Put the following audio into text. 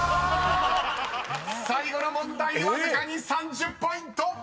［最後の問題わずかに３０ポイント］